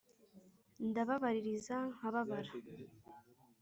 Ndababaririza nkababara